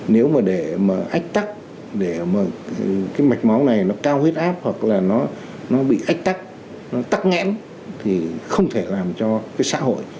nếu mà để ách tắc để mạch máu này cao huyết áp hoặc bị ách tắc tắc nghẽn thì không thể làm cho xã hội